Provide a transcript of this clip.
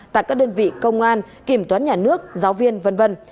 tại các đơn vị công an kiểm toán nhà nước giáo viên v v